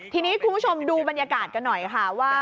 ทีนี้คุณผู้ชมดูบรรยากาศกันหน่อยค่ะว่า